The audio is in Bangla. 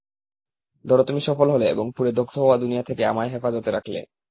ধরো তুমি সফল হলে এবং পুড়ে দগ্ধ হওয়া দুনিয়া থেকে আমায় হেফাজতে রাখলে?